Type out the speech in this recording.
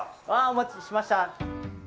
お待ちしてました。